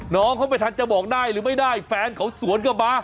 น้องเขาไม่ทันจะบอกได้หรือไม่ได้แฟนเขาสวนกลับมา